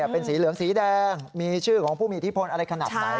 เป็นสีเหลืองสีแดงมีชื่อของผู้มีอิทธิพลอะไรขนาดไหน